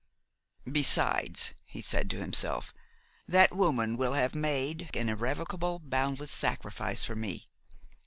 "Besides," he said to himself, "that woman will have made an irrevocable, boundless sacrifice for me.